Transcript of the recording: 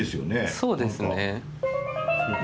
そうですね。